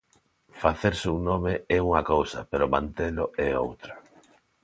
Facerse un nome é unha cousa, pero mantelo é outra.